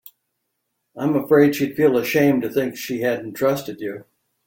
I'm afraid she'd feel ashamed to think she hadn't trusted you.